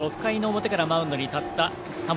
先ほど６回の表からマウンドに立った田村。